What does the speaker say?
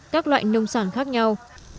các loại nông sản khác nhau